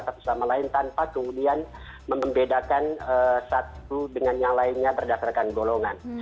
satu sama lain tanpa kemudian membedakan satu dengan yang lainnya berdasarkan golongan